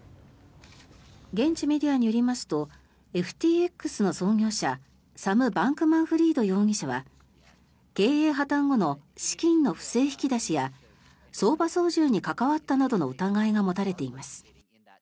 現地メディアによりますとＦＴＸの創業者サム・バンクマンフリード容疑者は経営破たん後の資金の不正引き出しや相場操縦に関わったなどの疑いが持たれています。